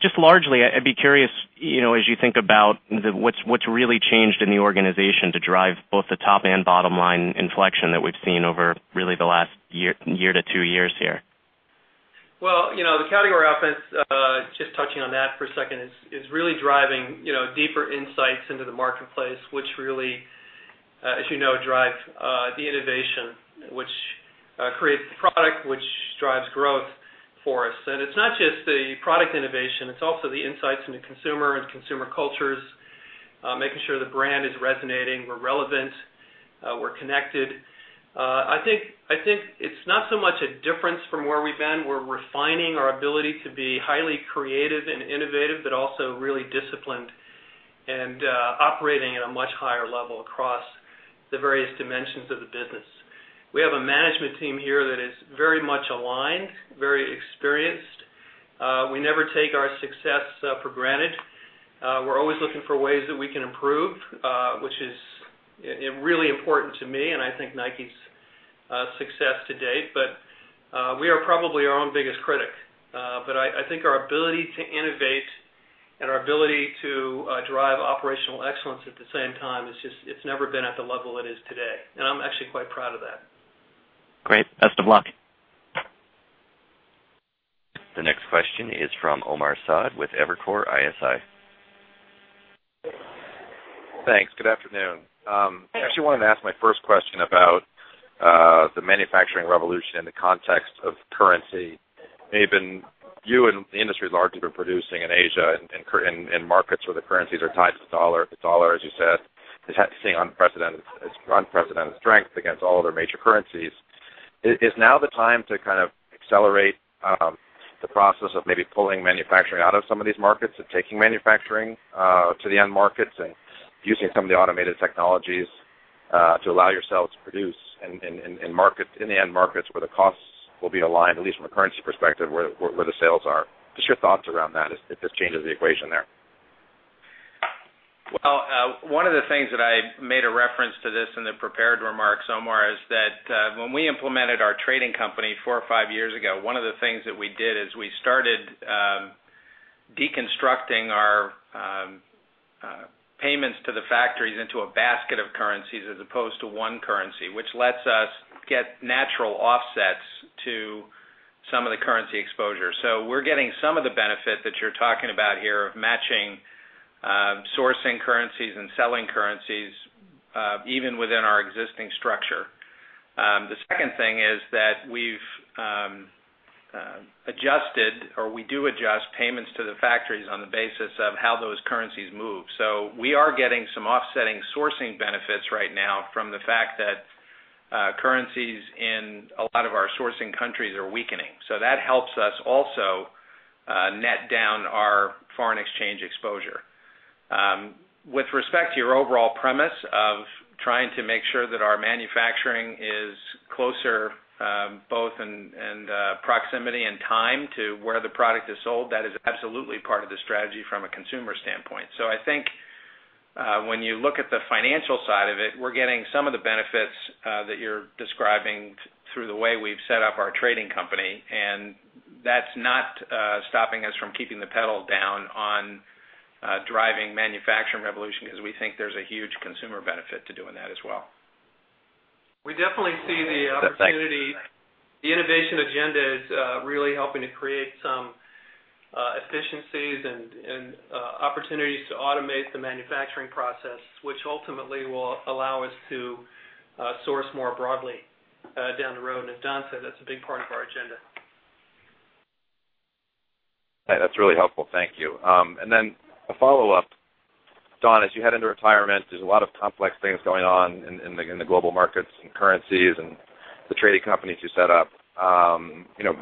Just largely, I'd be curious, as you think about what's really changed in the organization to drive both the top and bottom line inflection that we've seen over really the last one year to two years here. Well, the category offense, just touching on that for a second, is really driving deeper insights into the marketplace, which really, as you know, drives the innovation, which creates the product, which drives growth for us. It's not just the product innovation, it's also the insights into consumer and consumer cultures, making sure the brand is resonating. We're relevant, we're connected. I think it's not so much a difference from where we've been. We're refining our ability to be highly creative and innovative, but also really disciplined and operating at a much higher level across the various dimensions of the business. We have a management team here that is very much aligned, very experienced. We never take our success for granted. We're always looking for ways that we can improve, which is really important to me and I think Nike's success to date. We are probably our own biggest critic. I think our ability to innovate and our ability to drive operational excellence at the same time, it's never been at the level it is today. I'm actually quite proud of that. Great. Best of luck. The next question is from Omar Saad with Evercore ISI. Thanks. Good afternoon. Thanks. I actually wanted to ask my first question about the manufacturing revolution in the context of currency. You and the industry largely have been producing in Asia, in markets where the currencies are tied to the dollar. The dollar, as you said, is seeing unprecedented strength against all other major currencies. Is now the time to accelerate the process of maybe pulling manufacturing out of some of these markets and taking manufacturing to the end markets and using some of the automated technologies to allow yourselves to produce in the end markets where the costs will be aligned, at least from a currency perspective, where the sales are? Just your thoughts around that, if this changes the equation there. Well, one of the things that I made a reference to this in the prepared remarks, Omar, is that when we implemented our trading company four or five years ago, one of the things that we did is we started deconstructing our payments to the factories into a basket of currencies as opposed to one currency, which lets us get natural offsets to some of the currency exposure. We're getting some of the benefit that you're talking about here of matching sourcing currencies and selling currencies, even within our existing structure. The second thing is that we've adjusted, or we do adjust payments to the factories on the basis of how those currencies move. We are getting some offsetting sourcing benefits right now from the fact that currencies in a lot of our sourcing countries are weakening. That helps us also net down our foreign exchange exposure. With respect to your overall premise of trying to make sure that our manufacturing is closer, both in proximity and time, to where the product is sold, that is absolutely part of the strategy from a consumer standpoint. I think when you look at the financial side of it, we're getting some of the benefits that you're describing through the way we've set up our trading company, and that's not stopping us from keeping the pedal down on driving manufacturing revolution because we think there's a huge consumer benefit to doing that as well. We definitely see the opportunity. The innovation agenda is really helping to create some efficiencies and opportunities to automate the manufacturing process, which ultimately will allow us to source more broadly down the road. As Don said, that's a big part of our agenda. That's really helpful. Thank you. Then a follow-up. Don, as you head into retirement, there's a lot of complex things going on in the global markets and currencies and the trading companies you set up.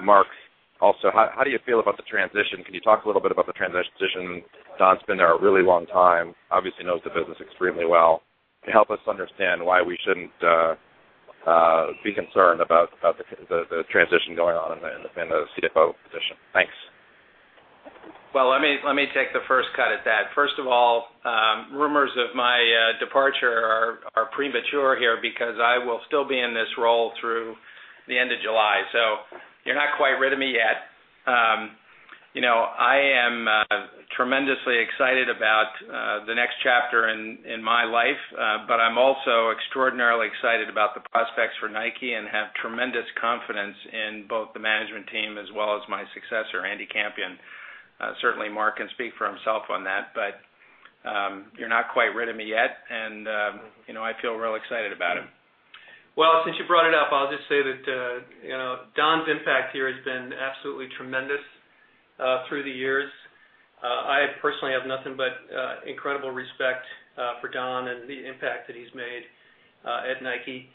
Mark also, how do you feel about the transition? Can you talk a little bit about the transition? Don's been there a really long time, obviously knows the business extremely well. Help us understand why we shouldn't be concerned about the transition going on in the CFO position. Thanks. Well, let me take the first cut at that. First of all, rumors of my departure are premature here because I will still be in this role through the end of July. You're not quite rid of me yet. I am tremendously excited about the next chapter in my life. I'm also extraordinarily excited about the prospects for Nike and have tremendous confidence in both the management team as well as my successor, Andy Campion. Certainly, Mark can speak for himself on that. You're not quite rid of me yet, and I feel real excited about it. Well, since you brought it up, I'll just say that Don's impact here has been absolutely tremendous through the years. I personally have nothing but incredible respect for Don and the impact that he's made at Nike.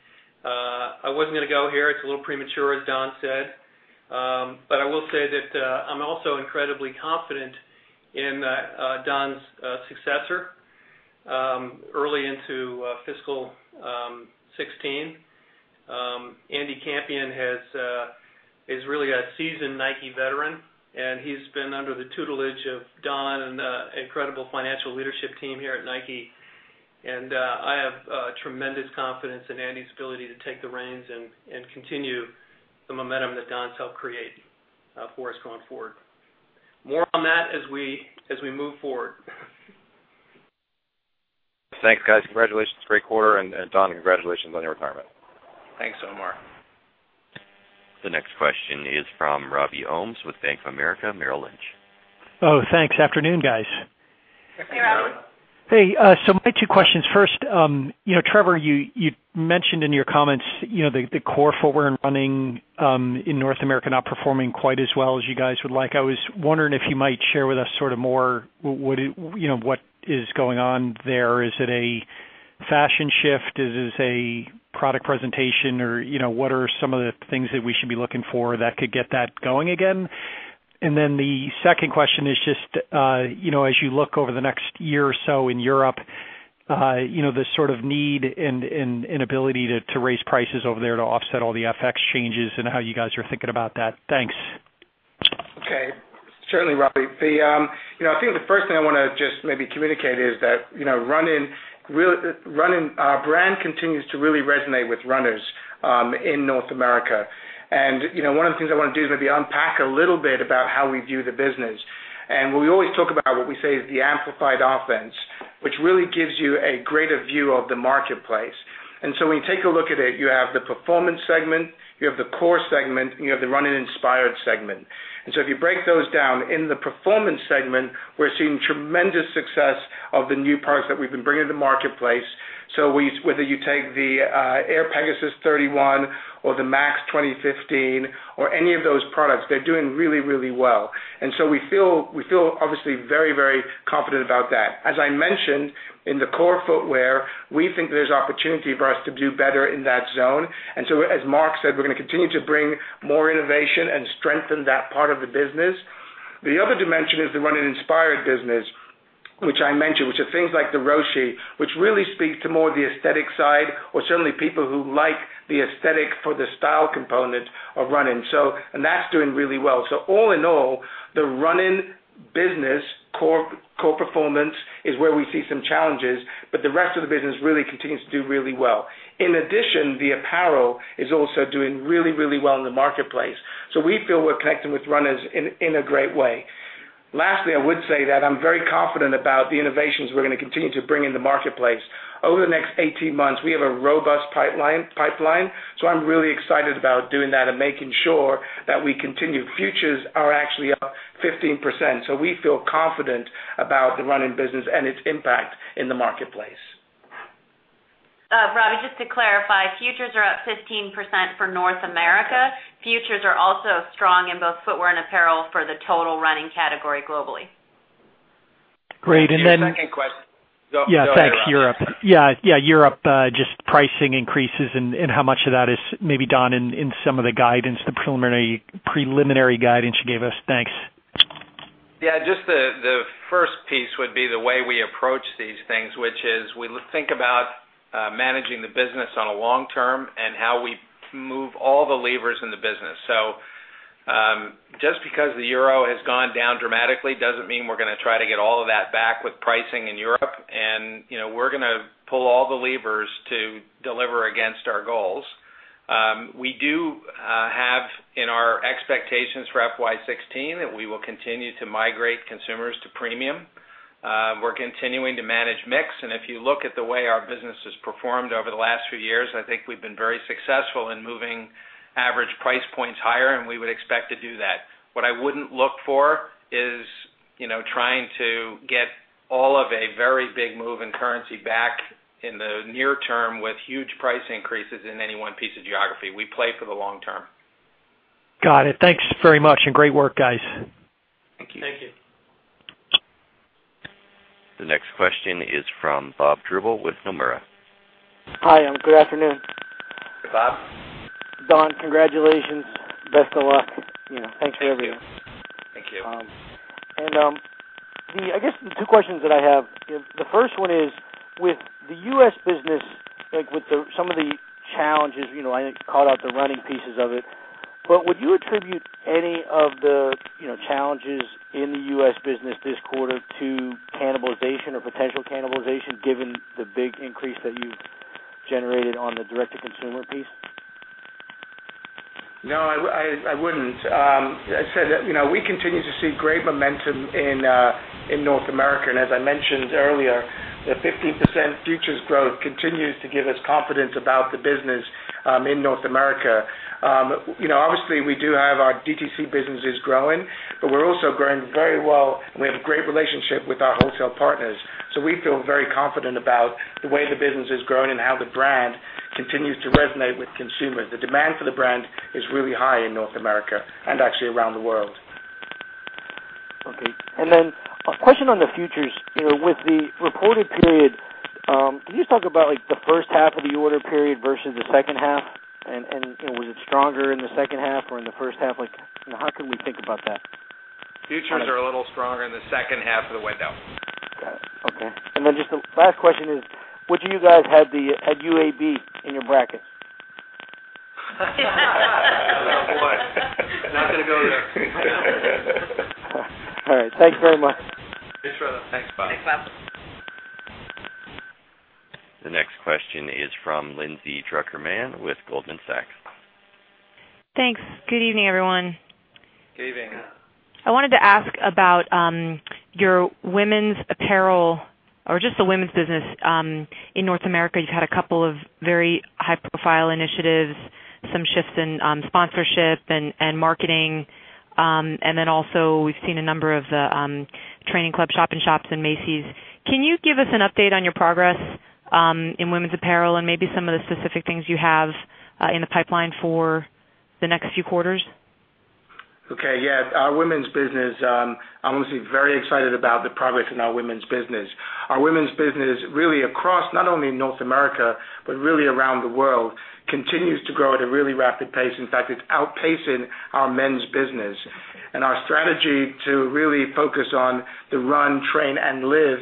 I wasn't going to go here. It's a little premature, as Don said. I will say that I'm also incredibly confident in Don's successor early into FY 2016. Andy Campion is really a seasoned Nike veteran, and he's been under the tutelage of Don and the incredible financial leadership team here at Nike. I have tremendous confidence in Andy's ability to take the reins and continue the momentum that Don's helped create for us going forward. More on that as we move forward. Thanks, guys. Congratulations. Great quarter, Don, congratulations on your retirement. Thanks, Omar. The next question is from Robbie Ohmes with Bank of America Merrill Lynch. Oh, thanks. Afternoon, guys. Hey, Robbie. Hey, Robbie. My two questions. First, Trevor, you mentioned in your comments the core footwear and running in North America not performing quite as well as you guys would like. I was wondering if you might share with us more what is going on there. Is it a fashion shift? Is this a product presentation, or what are some of the things that we should be looking for that could get that going again? The second question is just as you look over the next year or so in Europe, the sort of need and ability to raise prices over there to offset all the FX changes and how you guys are thinking about that. Thanks. Okay. Certainly, Robbie. I think the first thing I want to just maybe communicate is that running brand continues to really resonate with runners in North America. One of the things I want to do is maybe unpack a little bit about how we view the business. We always talk about what we say is the amplified offense, which really gives you a greater view of the marketplace. When you take a look at it, you have the performance segment, you have the core segment, and you have the running inspired segment. If you break those down, in the performance segment, we're seeing tremendous success of the new products that we've been bringing to the marketplace. Whether you take the Air Pegasus 31 or the Max 2015 or any of those products, they're doing really, really well. We feel obviously very, very confident about that. As I mentioned, in the core footwear, we think there's opportunity for us to do better in that zone. As Mark said, we're going to continue to bring more innovation and strengthen that part of the business. The other dimension is the running inspired business, which I mentioned, which are things like the Roshe, which really speaks to more of the aesthetic side, or certainly people who like the aesthetic for the style component of running. That's doing really well. All in all, the running business core performance is where we see some challenges, but the rest of the business really continues to do really well. In addition, the apparel is also doing really, really well in the marketplace. We feel we're connecting with runners in a great way. Lastly, I would say that I'm very confident about the innovations we're going to continue to bring in the marketplace. Over the next 18 months, we have a robust pipeline. I'm really excited about doing that and making sure that we continue. Futures are actually up 15%, so we feel confident about the running business and its impact in the marketplace. Robbie, just to clarify, futures are up 15% for North America. Futures are also strong in both footwear and apparel for the total running category globally. Great. Your second question. Thanks, Europe. Europe, just pricing increases and how much of that is maybe done in some of the guidance, the preliminary guidance you gave us. Thanks. Yeah, just the first piece would be the way we approach these things, which is we think about managing the business on a long term and how we move all the levers in the business. Just because the euro has gone down dramatically doesn't mean we're going to try to get all of that back with pricing in Europe. We're going to pull all the levers to deliver against our goals. We do have in our expectations for FY 2016 that we will continue to migrate consumers to premium. We're continuing to manage mix, and if you look at the way our business has performed over the last few years, I think we've been very successful in moving average price points higher, and we would expect to do that. What I wouldn't look for is trying to get all of a very big move in currency back in the near term with huge price increases in any one piece of geography. We play for the long term. Got it. Thanks very much and great work, guys. Thank you. Thank you. The next question is from Bob Drbul with Nomura. Hi, and good afternoon. Hey, Bob. Don, congratulations. Best of luck. Thanks for everything. Thank you. I guess the two questions that I have. The first one is, with the U.S. business, with some of the challenges, I think you called out the running pieces of it. Would you attribute any of the challenges in the U.S. business this quarter to cannibalization or potential cannibalization given the big increase that you've generated on the direct-to-consumer piece? No, I wouldn't. I said that we continue to see great momentum in North America. As I mentioned earlier, the 15% futures growth continues to give us confidence about the business in North America. Obviously, we do have our DTC businesses growing, we're also growing very well, and we have a great relationship with our wholesale partners. We feel very confident about the way the business is growing and how the brand continues to resonate with consumers. The demand for the brand is really high in North America and actually around the world. Okay. A question on the futures. With the reported period, can you just talk about the first half of the order period versus the second half? Was it stronger in the second half or in the first half? How can we think about that? Futures are a little stronger in the second half of the window. Got it. Okay. Just the last question is, which of you guys had UAB in your bracket? Oh, boy. Not going to go there. All right. Thanks very much. Thanks, Bob. Thanks, Bob. Thanks, Bob. The next question is from Lindsay Drucker Mann with Goldman Sachs. Thanks. Good evening, everyone. Good evening. I wanted to ask about your women's apparel or just the women's business in North America. You've had a couple of very high-profile initiatives, some shifts in sponsorship and marketing, then also we've seen a number of the training club shop in shops in Macy's. Can you give us an update on your progress in women's apparel and maybe some of the specific things you have in the pipeline for the next few quarters? Okay. Yeah. Our women's business, I'm obviously very excited about the progress in our women's business. Our women's business really across not only North America, but really around the world, continues to grow at a really rapid pace. In fact, it's outpacing our men's business and our strategy to really focus on the run, train, and live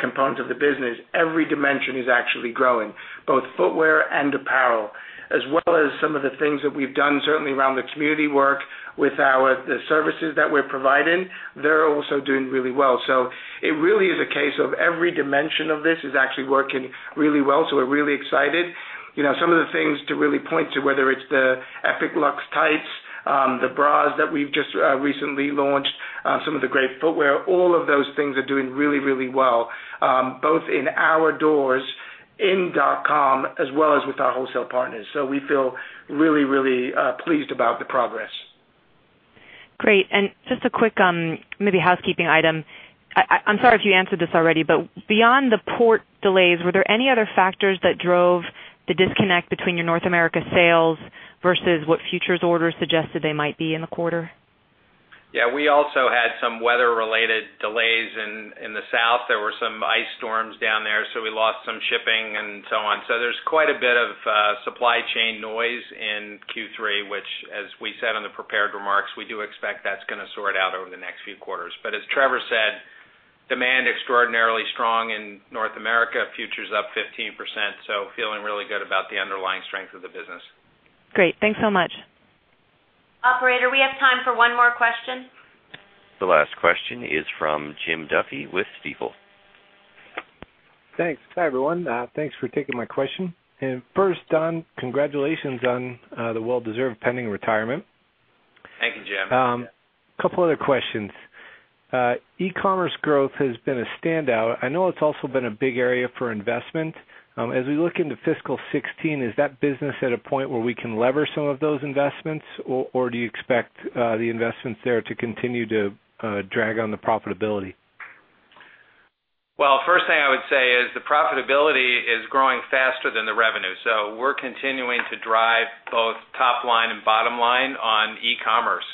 component of the business. Every dimension is actually growing, both footwear and apparel, as well as some of the things that we've done certainly around the community work with the services that we're providing. They're also doing really well. It really is a case of every dimension of this is actually working really well. We're really excited. Some of the things to really point to, whether it's the Epic Lux tights, the bras that we've just recently launched, some of the great footwear, all of those things are doing really, really well, both in our doors, in nike.com, as well as with our wholesale partners. We feel really, really pleased about the progress. Great. Just a quick, maybe housekeeping item. I'm sorry if you answered this already, beyond the port delays, were there any other factors that drove the disconnect between your North America sales versus what futures orders suggested they might be in the quarter? We also had some weather-related delays in the South. There were some ice storms down there, so we lost some shipping and so on. There's quite a bit of supply chain noise in Q3, which as we said on the prepared remarks, we do expect that's going to sort out over the next few quarters. As Trevor said, demand extraordinarily strong in North America, futures up 15%, so feeling really good about the underlying strength of the business. Great. Thanks so much. Operator, we have time for one more question. The last question is from Jim Duffy with Stifel. Thanks. Hi, everyone. Thanks for taking my question. First, Don, congratulations on the well-deserved pending retirement. Thank you, Jim. A couple other questions. E-commerce growth has been a standout. I know it's also been a big area for investment. As we look into FY16, is that business at a point where we can lever some of those investments, do you expect the investments there to continue to drag on the profitability? First thing I would say is the profitability is growing faster than the revenue. We're continuing to drive both top line and bottom line on e-commerce.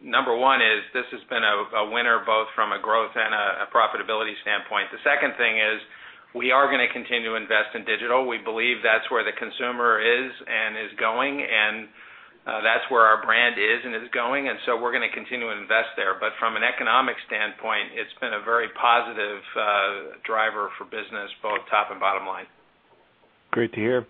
Number one is this has been a winner both from a growth and a profitability standpoint. The second thing is we are going to continue to invest in digital. We believe that's where the consumer is and is going, and that's where our brand is and is going. We're going to continue to invest there. From an economic standpoint, it's been a very positive driver for business, both top and bottom line. Great to hear.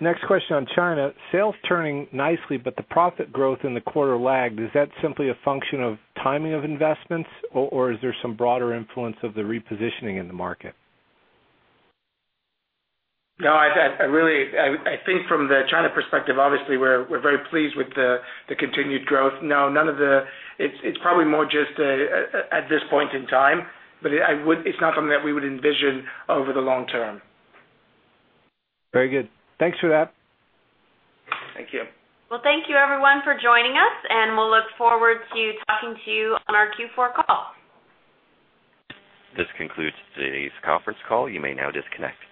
Next question on China. Sales turning nicely, but the profit growth in the quarter lagged. Is that simply a function of timing of investments, or is there some broader influence of the repositioning in the market? No, I think from the China perspective, obviously, we're very pleased with the continued growth. It's probably more just at this point in time, but it's not something that we would envision over the long term. Very good. Thanks for that. Thank you. Thank you everyone for joining us, we'll look forward to talking to you on our Q4 call. This concludes today's conference call. You may now disconnect.